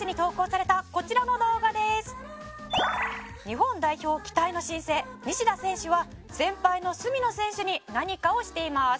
「日本代表期待の新星西田選手は先輩の角野選手に何かをしています」